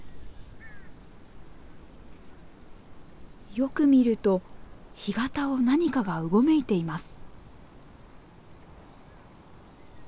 よく見ると干潟を何かがうごめいています。